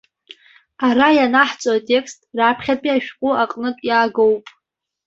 Ара ианаҳҵо атекст раԥхьатәи ашәҟәы аҟнытә иаагоуп.